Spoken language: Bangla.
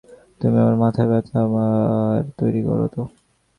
তুমি আমার মাথার ব্যথাটা আবার তৈরি কর তো।